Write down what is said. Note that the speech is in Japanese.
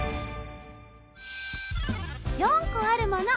・４こあるもの